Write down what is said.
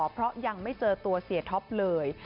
เพราะยังไม่เจอตัวเสียท็อปเลย